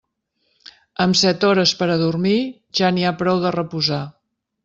Amb set hores per a dormir, ja n'hi ha prou de reposar.